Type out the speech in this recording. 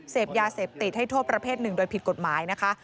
เสพยาเสพติดให้โทษประเภทหนึ่งโดยผิดกฎหมายนะคะ